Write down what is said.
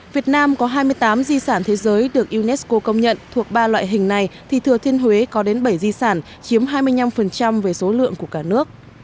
việt nam có hai mươi tám di sản thế giới được unesco công nhận thuộc ba loại hình này thì thừa thiên huế có đến bảy di sản chiếm hai mươi năm về số lượng của cả nước